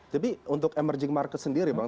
tapi untuk emerging market sendiri bang